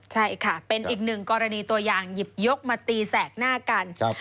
ใช่ค่ะเป็นอีกหนึ่งกรณีตัวอย่างหยิบยกมาตีแสกหน้ากัน